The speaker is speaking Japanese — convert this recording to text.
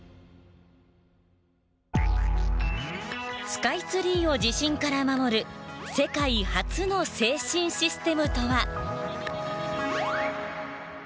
スカイツリーを地震から守る世界初の制振システムとは？